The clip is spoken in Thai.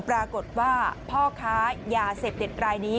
ปรากฏว่าพ่อค้ายาเสพติดรายนี้